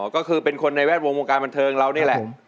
ก็คือเป็นคนในแวดวงวงการบันเทิงเรานี่แหละ